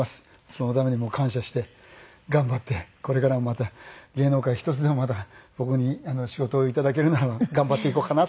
そのためにも感謝して頑張ってこれからもまた芸能界一つでもまだ僕に仕事を頂けるなら頑張っていこうかなと。